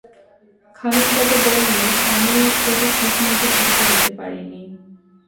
খানিক বাদে বললে, আমি তোকে ঠিকমত শিক্ষা দিতে পারি নি।